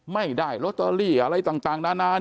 ไม่ได้ลอตเตอรี่อะไรต่างนานา